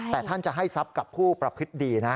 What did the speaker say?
แต่ท่านจะให้ทรัพย์กับผู้ประพฤติดีนะ